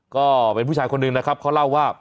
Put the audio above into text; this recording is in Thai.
ก็เป็นผู้ชายคนหนึ่งนะครับเขาเล่าว่า